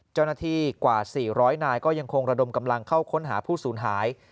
เจ้าหน้าที่กว่า๔๐๐นายก็ยังคงระดมกำลังเข้าค้นหาผู้สูญหาย